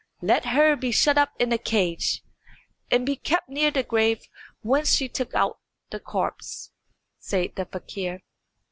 "Let her be shut up in a cage, and be kept near the grave whence she took out the corpse," said the fakir.